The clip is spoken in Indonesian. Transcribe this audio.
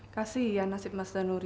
kasih ya nasib mas danuri